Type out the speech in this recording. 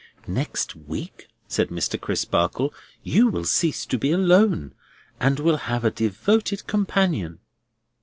"Next week," said Mr. Crisparkle, "you will cease to be alone, and will have a devoted companion."